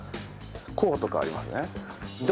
こうとかありますね。